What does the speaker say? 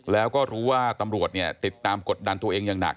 แล้วก็รู้ว่าตำรวจเนี่ยติดตามกดดันตัวเองอย่างหนัก